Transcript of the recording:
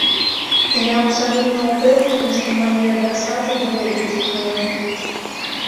Я абсалютна ўпэўнены, што мае адрасаты даведаюцца пра яго.